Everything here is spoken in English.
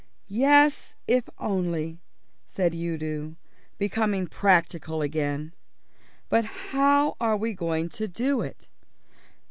"Yes, if only," said Udo, becoming practical again; "but how are we going to do it?